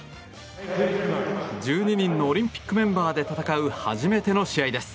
１２人のオリンピックメンバーで戦う初めての試合です。